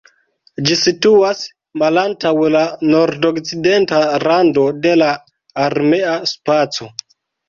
Ĝi situas malantaŭ la nordokcidenta rando de la armea spaco.